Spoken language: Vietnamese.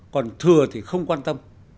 còn thừa thì không quan tâm